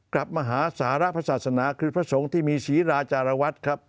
กับมหาสารพระศาสนาคือพระสงฆ์ที่มีศรีราจารวัตรครับ